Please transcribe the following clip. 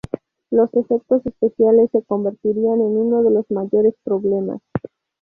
Los efectos especiales se convertirían en uno de los mayores problemas.